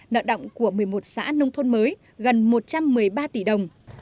nợ động của một mươi một xã nông thôn mới gần một trăm hai mươi năm tỷ đồng